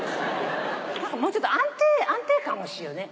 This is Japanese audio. もうちょっと安定安定感欲しいよね。